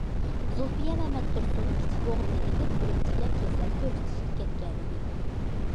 زۇلپىيە مەتتۇرسۇن كىچىك ئوغلىنى ئېلىپ ئۈرۈمچىگە كېسەل كۆرسىتىشكە كەتكەن ئىكەن.